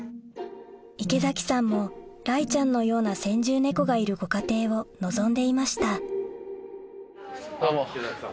池崎さんも雷ちゃんのような先住ネコがいるご家庭を望んでいました池崎さん。